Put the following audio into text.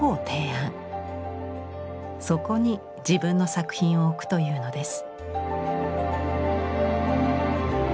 そこに自分の作品を置くというのです。